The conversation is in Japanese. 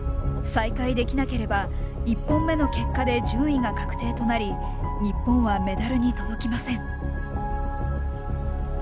再開できなければ１本目の結果で順位が確定となり日本はメダルに届きません。